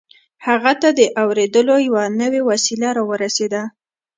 هغه ته د اورېدلو يوه نوې وسيله را ورسېده.